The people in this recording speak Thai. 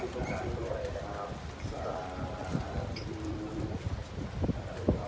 จ่ายทางถึงต่อผมพระคุณทรงฆกส์แต่ว่าทางนี้ล่ะ